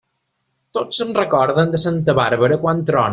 Tots se'n recorden de santa Bàrbara quan trona.